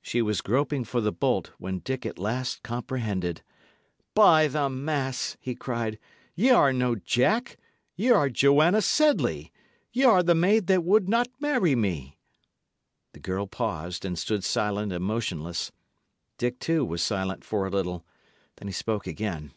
She was groping for the bolt, when Dick at last comprehended. "By the mass!" he cried, "y' are no Jack; y' are Joanna Sedley; y' are the maid that would not marry me!" The girl paused, and stood silent and motionless. Dick, too, was silent for a little; then he spoke again.